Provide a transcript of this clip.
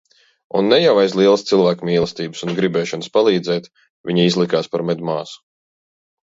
Un ne jau aiz lielas cilvēkmīlestības un gribēšanas palīdzēt viņa izlikās par medmāsu.